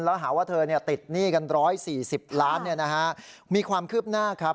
แล้วหาว่าเธอติดหนี้กัน๑๔๐ล้านมีความคืบหน้าครับ